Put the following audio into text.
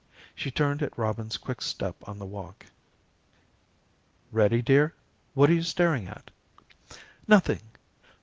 She turned at Robin's quick step on the walk. "Ready, dear? What are you staring at?" "Nothing!